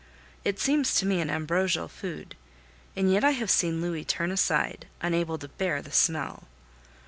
It seems to me an ambrosial food, and yet I have seen Louis turn aside, unable to bear the smell.